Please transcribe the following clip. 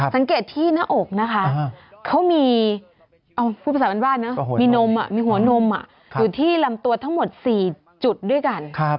สังเกตที่หน้าอกนะคะเขามีพูดภาษาบ้านนะมีนมมีหัวนมอยู่ที่ลำตัวทั้งหมด๔จุดด้วยกัน